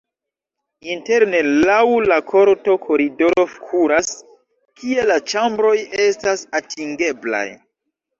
Interne laŭ la korto koridoro kuras, kie la ĉambroj estas atingeblaj.